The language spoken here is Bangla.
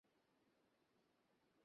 এগুলো আমার কল্পনা নয়!